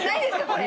これ。